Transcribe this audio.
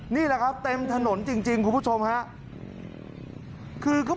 นี่แหละครับเต็มถนนจริงคุณผู้ชมครับ